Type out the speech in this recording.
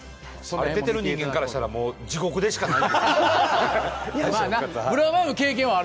出ている人間からしたら、地獄でしかない。